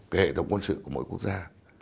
cái hệ thống quân sự của mỗi quốc gia